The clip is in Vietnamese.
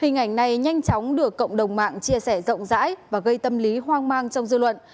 hình ảnh này nhanh chóng được cộng đồng mạng chia sẻ rộng rãi và gây tâm lý hoang mang trong dư luận